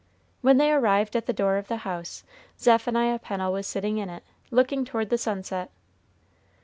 When they arrived at the door of the house, Zephaniah Pennel was sitting in it, looking toward the sunset.